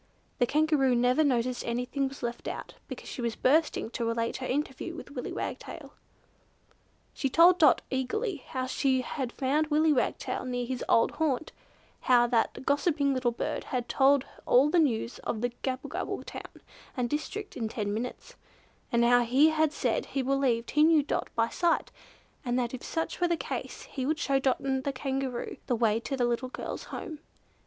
The Kangaroo never noticed that anything was left out, because she was bursting to relate her interview with Willy Wagtail. She told Dot eagerly how she had found Willy Wagtail near his old haunt; how that gossiping little bird had told all the news of the Gabblegabble town and district in ten minutes, and how he had said he believed he knew Dot by sight, and that if such were the case he would show Dot and the Kangaroo the way to the little girl's home.